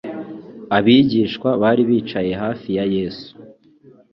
Abigishwa bari bicaye hafi ya Yesu.